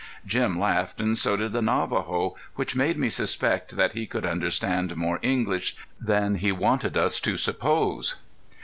Jim laughed and so did the Navajo, which made me suspect that he could understand more English than he wanted us to suppose.